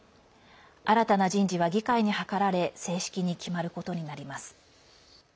新たな人事は議会に諮られ正式に決まることになります。